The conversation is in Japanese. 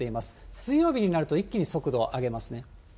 水曜日になると一気に速度を上げますね。